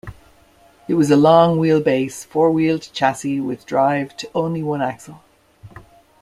It was a long wheelbase four wheeled chassis with drive to only one axle.